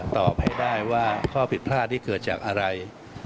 ตอบให้ได้ว่าข้อผิดพลาดนี้เกิดจากอะไร